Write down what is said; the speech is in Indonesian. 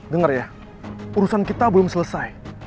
dengar ya urusan kita belum selesai